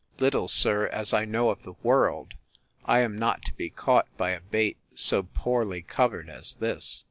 —Little, sir, as I know of the world, I am not to be caught by a bait so poorly covered as this!